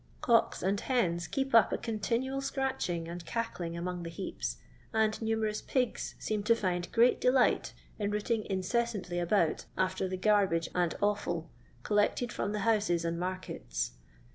Cocks and hens keep up a continual scratching and cackling among the heaps, and numerous pigs seem to find great delight in rooting incessantly about after the garbage and offid collected from the houses and markets.